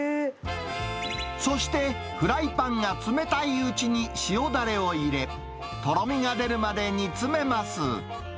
そして、フライパンが冷たいうちに塩だれを入れ、とろみが出るまで煮詰めます。